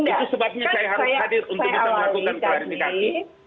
itu sebabnya saya harus hadir untuk melakukan kelarinan ini